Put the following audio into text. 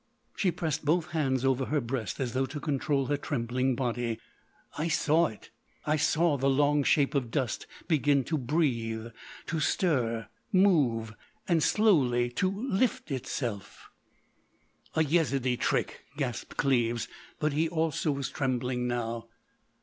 —" She pressed both hands over her breast as though to control her trembling body: "I saw it; I saw the long shape of dust begin to breathe, to stir, move, and slowly lift itself——" "A Yezidee trick!" gasped Cleves; but he also was trembling now.